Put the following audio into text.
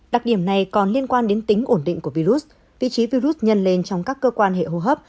đặc điểm này còn liên quan đến tính ổn định của virus vị trí virus nhân lên trong các cơ quan hệ hô hấp